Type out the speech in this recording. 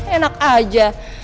enak aja